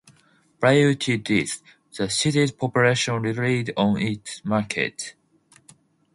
Prior to this, the city's population relied on its markets.